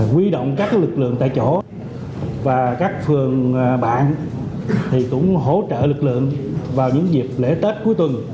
quy động các lực lượng tại chỗ và các phường bạn thì cũng hỗ trợ lực lượng vào những dịp lễ tết cuối tuần